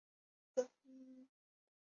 富热罗勒人口变化图示